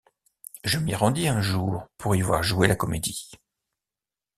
Je m'y rendis un jour pour y voir jouer la comédie.